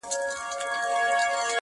هم پلرونه هم مو وړونه هم خپلوان دي,